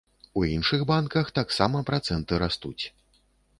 У іншых банках таксама працэнты растуць.